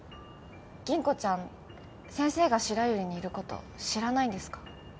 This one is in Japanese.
吟子ちゃん先生が白百合にいること知らないんですか？